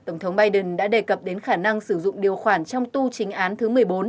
tổng thống biden đã đề cập đến khả năng sử dụng điều khoản trong tu chính án thứ một mươi bốn